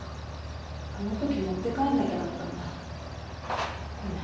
あのとき持って帰んなきゃだったんだ。ごめん。